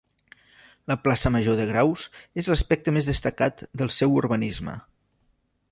La Plaça Major de Graus és l'aspecte més destacat del seu urbanisme.